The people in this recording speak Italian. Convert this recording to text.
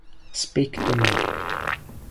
Speak to Me